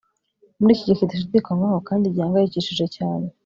muri iki gihe kidashidikanywaho kandi gihangayikishije cyane